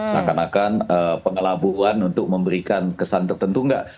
makan makan pengelabuhan untuk memberikan kesan tertentu nggak